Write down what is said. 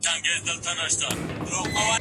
پاريس ډېر ښه ښار دی